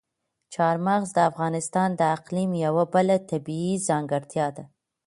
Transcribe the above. چار مغز د افغانستان د اقلیم یوه بله طبیعي ځانګړتیا ده.